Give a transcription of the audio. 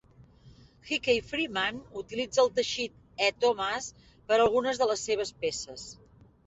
Hickey Freeman utilitza el teixit E. Thomas per a algunes de les seves peces.